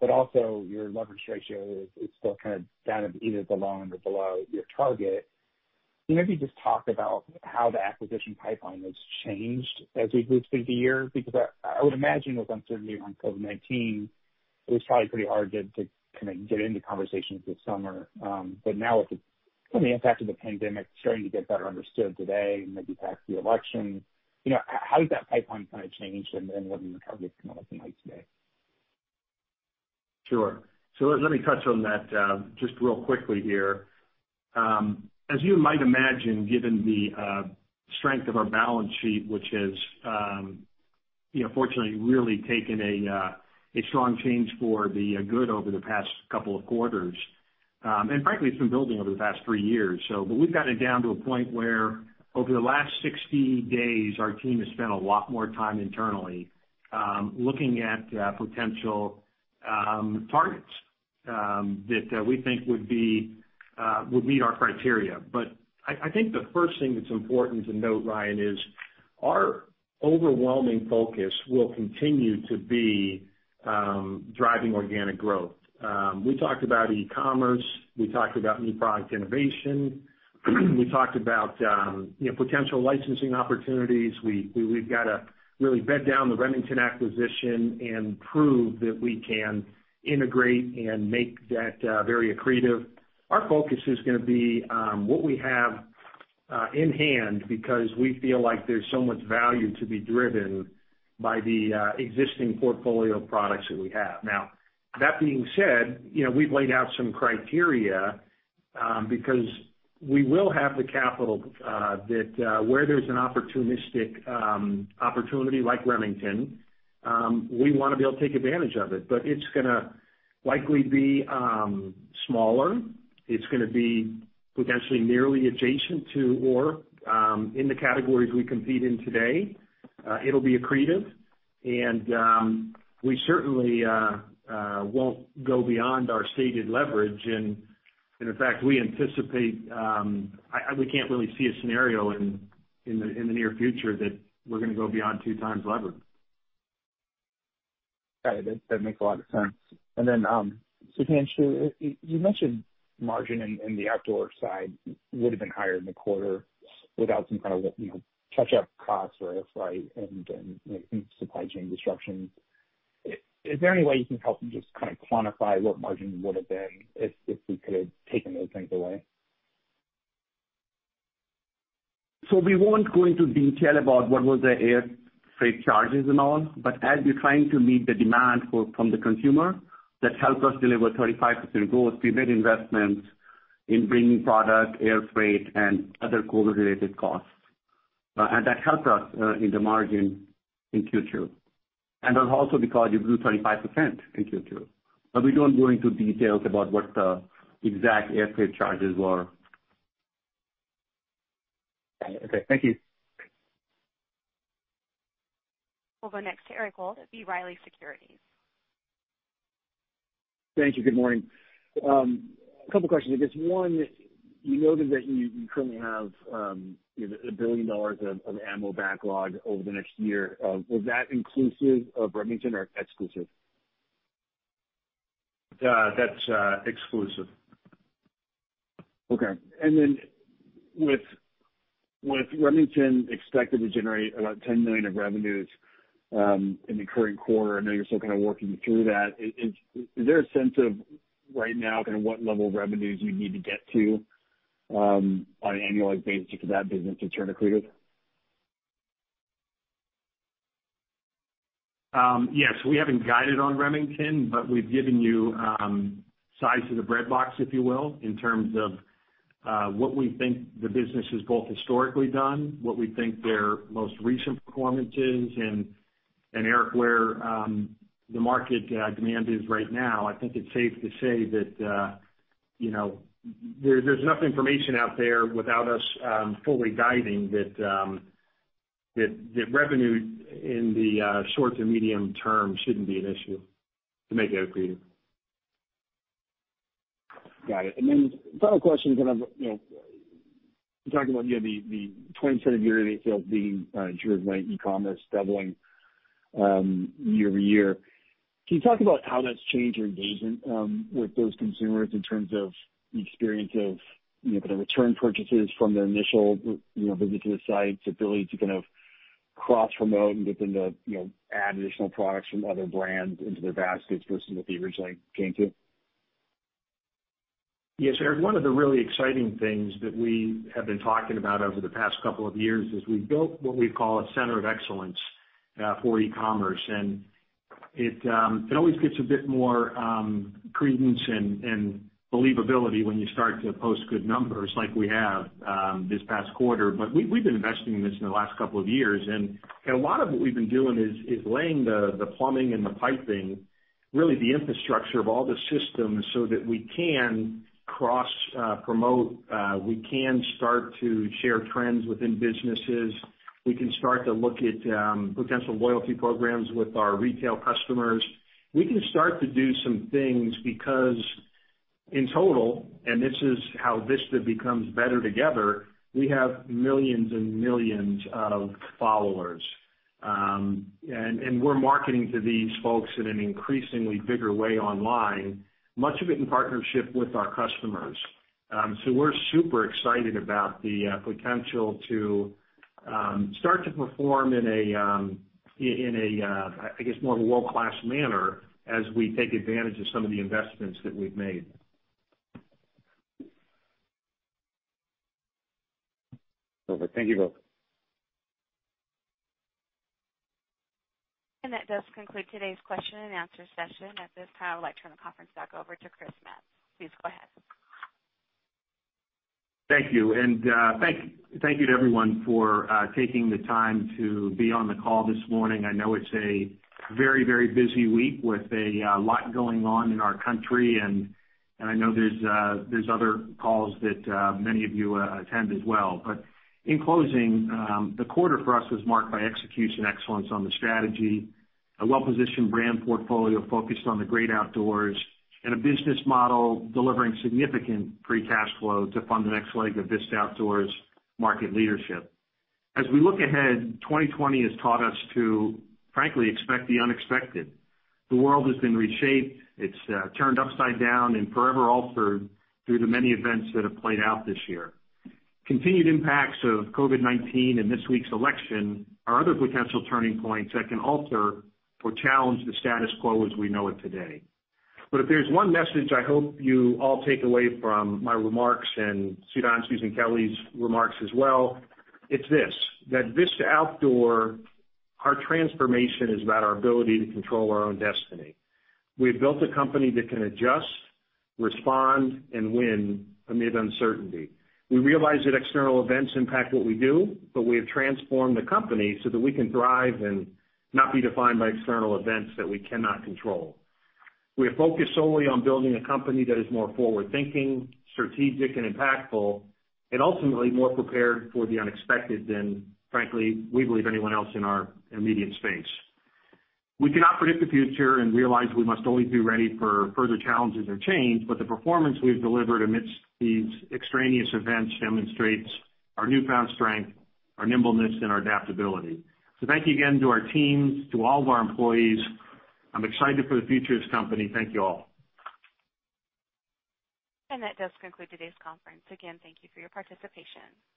also your leverage ratio is still kind of down at either the low end or below your target. Can you maybe just talk about how the acquisition pipeline has changed as we've moved through the year? I would imagine with uncertainty around COVID-19, it was probably pretty hard to get into conversations this summer. Now with the impact of the pandemic starting to get better understood today, and maybe past the election, how has that pipeline changed, and what do your targets look like today? Sure. Let me touch on that just real quickly here. As you might imagine, given the strength of our balance sheet, which has fortunately really taken a strong change for the good over the past couple of quarters. Frankly, it's been building over the past three years. We've got it down to a point where over the last 60 days, our team has spent a lot more time internally, looking at potential targets that we think would meet our criteria. I think the first thing that's important to note, Ryan, is our overwhelming focus will continue to be driving organic growth. We talked about e-commerce, we talked about new product innovation, we talked about potential licensing opportunities. We've got to really bed down the Remington acquisition and prove that we can integrate and make that very accretive. Our focus is going to be what we have in hand because we feel like there's so much value to be driven by the existing portfolio of products that we have. That being said, we've laid out some criteria, because we will have the capital, that where there's an opportunistic opportunity like Remington, we want to be able to take advantage of it. It's going to likely be smaller. It's going to be potentially merely adjacent to or in the categories we compete in today. It'll be accretive, and we certainly won't go beyond our stated leverage. In fact, we can't really see a scenario in the near future that we're going to go beyond two times leverage. Got it. That makes a lot of sense. Sudhanshu, you mentioned margin in the Outdoor side would have been higher in the quarter without some kind of catch-up costs or air freight and supply chain disruptions. Is there any way you can help me just quantify what margin would have been if we could have taken those things away? We won't go into detail about what was the air freight charges and all, but as we're trying to meet the demand from the consumer, that helped us deliver 35% growth. We made investments in bringing product, air freight, and other COVID-related costs. That helped us in the margin in Q2. That's also because you grew 25% in Q2. We don't go into details about what the exact air freight charges were. Okay. Thank you. We'll go next to Eric Wold at B. Riley Securities. Thank you. Good morning. Couple questions. I guess one, we noted that you currently have $1 billion of ammo backlog over the next year. Was that inclusive of Remington or exclusive? That's exclusive. Okay. With Remington expected to generate about $10 million of revenues in the current quarter, I know you're still kind of working through that. Is there a sense of right now kind of what level of revenues you need to get to on an annualized basis for that business to turn accretive? Yes. We haven't guided on Remington, but we've given you size of the breadbox, if you will, in terms of what we think the business has both historically done, what we think their most recent performance is and, Eric, where the market demand is right now. I think it's safe to say that there's enough information out there without us fully guiding that revenue in the short to medium term shouldn't be an issue to make it accretive. Got it. Final question, kind of talking about the 20% year-over-year sales being driven by e-commerce doubling year-over-year. Can you talk about how that's changed your engagement with those consumers in terms of the experience of kind of return purchases from their initial visit to the site, ability to kind of cross-promote and get them to add additional products from other brands into their baskets versus what they originally came to? Yes, Eric, one of the really exciting things that we have been talking about over the past couple of years is we've built what we call a center of excellence for e-commerce. It always gets a bit more credence and believability when you start to post good numbers like we have this past quarter. We've been investing in this in the last couple of years, and a lot of what we've been doing is laying the plumbing and the piping, really the infrastructure of all the systems so that we can cross-promote, we can start to share trends within businesses. We can start to look at potential loyalty programs with our retail customers. We can start to do some things because in total, and this is how Vista becomes better together, we have millions and millions of followers. We're marketing to these folks in an increasingly bigger way online, much of it in partnership with our customers. We're super excited about the potential to start to perform in a, I guess, more of a world-class manner as we take advantage of some of the investments that we've made. Over. Thank you both. That does conclude today's question and answer session. At this time, I'd like to turn the conference back over to Chris Metz. Please go ahead. Thank you, and thank you to everyone for taking the time to be on the call this morning. I know it's a very, very busy week with a lot going on in our country, and I know there's other calls that many of you attend as well. In closing, the quarter for us was marked by execution excellence on the strategy, a well-positioned brand portfolio focused on the great outdoors, and a business model delivering significant free cash flow to fund the next leg of Vista Outdoor's market leadership. As we look ahead, 2020 has taught us to frankly expect the unexpected. The world has been reshaped. It's turned upside down and forever altered through the many events that have played out this year. Continued impacts of COVID-19 and this week's election are other potential turning points that can alter or challenge the status quo as we know it today. If there's one message I hope you all take away from my remarks and Sudhanshu's and Kelly's remarks as well, it's this: that Vista Outdoor, our transformation is about our ability to control our own destiny. We have built a company that can adjust, respond, and win amid uncertainty. We realize that external events impact what we do, but we have transformed the company so that we can thrive and not be defined by external events that we cannot control. We are focused solely on building a company that is more forward-thinking, strategic, and impactful, and ultimately more prepared for the unexpected than, frankly, we believe anyone else in our immediate space. We cannot predict the future and realize we must always be ready for further challenges or change, but the performance we've delivered amidst these extraneous events demonstrates our newfound strength, our nimbleness, and our adaptability. Thank you again to our teams, to all of our employees. I'm excited for the future of this company. Thank you all. That does conclude today's conference. Again, thank you for your participation.